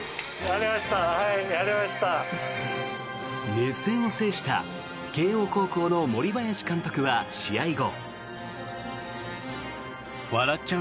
熱戦を制した慶応高校の森林監督は試合後。